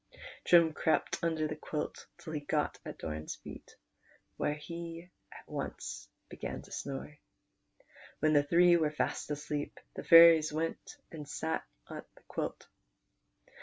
Trim crept under the quilt till he got at Doran's feet, when he at once began to snore. When the three were fast asleep, the fairies went and sat on the quilt.